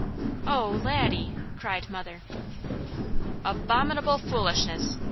"Oh Laddie!" cried mother. "Abominable foolishness!"